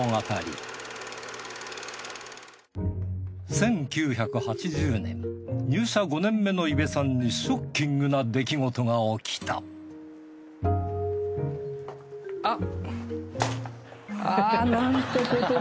１９８０年入社５年目の伊部さんにショッキングな出来事が起きたあっ！